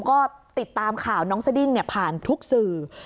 ก็ติดตามข่าวน้องสดิ้งผ่านทุกสื่อ